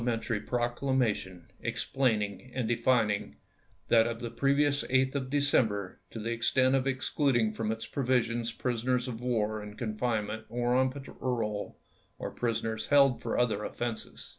mentary proclamation explaining and defining that of the previous 8th of December to the extent of excluding from its provisions prisoners of war in confinement or on parole, or prisoners held for other offenses.